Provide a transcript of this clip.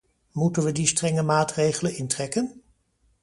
Moeten we die strenge maatregelen intrekken?